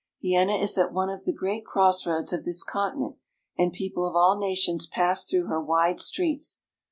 Vienna is at one of the great crossroads of this conti nent, and people of all nations pass through her wide streets.